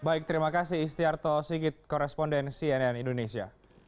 baik terima kasih istiarto sigit korespondensi nn indonesia